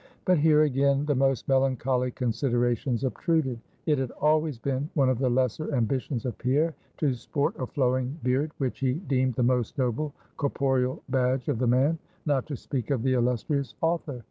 But here again the most melancholy considerations obtruded. It had always been one of the lesser ambitions of Pierre, to sport a flowing beard, which he deemed the most noble corporeal badge of the man, not to speak of the illustrious author.